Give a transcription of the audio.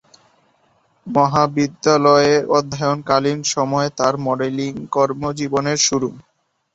মহাবিদ্যালয়ে অধ্যয়নকালীন সময়ে তার মডেলিং কর্মজীবনের শুরু।